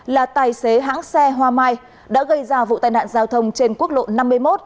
là tài xế hãng xe hoa mai đã gây ra vụ tai nạn giao thông trên quốc lộ năm mươi một